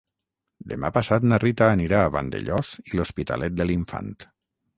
Demà passat na Rita anirà a Vandellòs i l'Hospitalet de l'Infant.